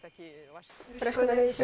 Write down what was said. よろしくお願いします。